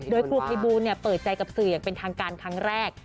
โดยครูภัยบูลเปิดใจกับสื่ออย่างเป็นทางการครั้งแรก